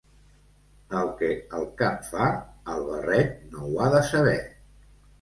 El que el cap fa, el barret no ho ha de saber.